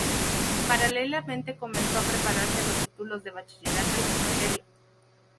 Paralelamente comenzó a prepararse los títulos de bachillerato y magisterio.